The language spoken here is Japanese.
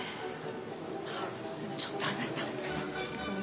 ちょっとあなた。